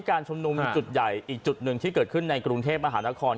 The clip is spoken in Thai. การชุมนุมจุดใหญ่อีกจุดหนึ่งที่เกิดขึ้นในกรุงเทพมหานคร